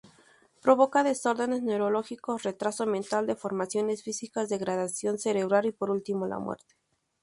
Provoca desórdenes neurológicos, retraso mental, deformaciones físicas, degradación cerebral y por último, la muerte.